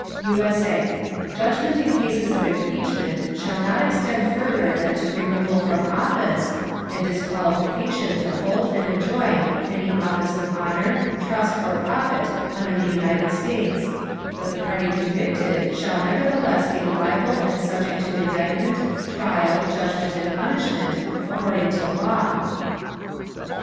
[USA] Judgment in Cases of Impeachment shall not extend further than to removal from Office, and Disqualification to hold and enjoy any Office of Honour, Trust or Profit under the United States: but the Party convicted shall nevertheless be liable and subject to Indictment, Trial, Judgment and Punishment, according to Law.